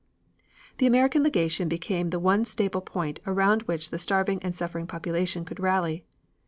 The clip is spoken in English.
The American Legation became the one staple point around which the starving and suffering population could rally.